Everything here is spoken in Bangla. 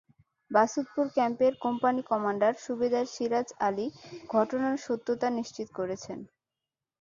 বাসুদপুর ক্যাম্পের কোম্পানি কমান্ডার সুবেদার সিরাজ আলী ঘটনার সত্যতা নিশ্চিত করেছেন।